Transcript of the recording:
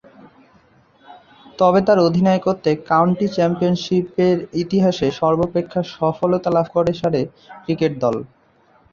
তবে, তার অধিনায়কত্বে কাউন্টি চ্যাম্পিয়নশীপের ইতিহাসে সর্বাপেক্ষা সফলতা লাভ করে সারে ক্রিকেট দল।